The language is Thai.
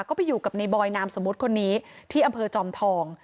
ก็ไปอยู่กับในบอยนามสมมุติคนนี้ที่อำเภอจอมทอง